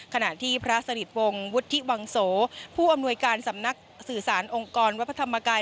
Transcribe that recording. ขณะที่พระสนิทวงศ์วุฒิวังโสผู้อำนวยการสำนักสื่อสารองค์กรวัดพระธรรมกาย